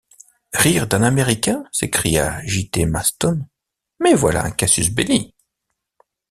Rire d’un Américain! s’écria J.-T. Maston, mais voilà un casus belli !...